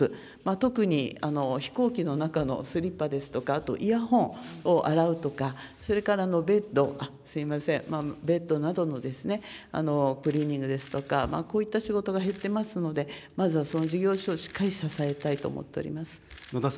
特に、飛行機の中のスリッパですとか、あとイヤホンを洗うとか、それからベッド、すみません、ベッドなどのクリーニングですとか、こういった仕事が減ってますので、まずは、その事業所をしっかり支えたいと思っております。